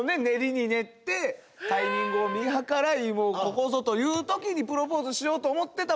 練りに練ってタイミングを見計らいここぞという時にプロポーズしようと思ってたものが。